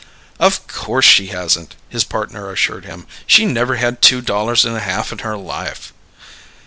"Of course she hasn't!" his partner assured him. "She never had two dollars and a half in her life!"